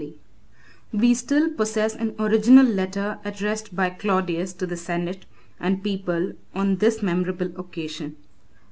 ] We still posses an original letter addressed by Claudius to the senate and people on this memorable occasion.